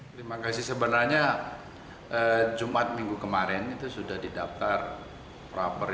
terima kasih sebenarnya jumat minggu kemarin itu sudah didaftar proper